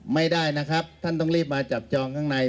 ไม่ได้นะครับท่านต้องรีบมาจับจองข้างใน